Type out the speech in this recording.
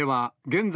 現在、